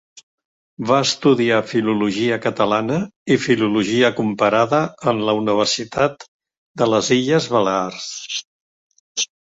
Va estudiar filologia catalana i filologia comparada en la Universitat de les Illes Balears.